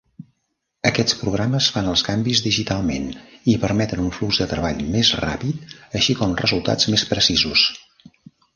Aquests programes fan els canvis digitalment, i permeten un flux de treball més ràpid, així com resultats més precisos.